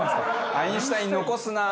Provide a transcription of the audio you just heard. アインシュタイン残すなあ！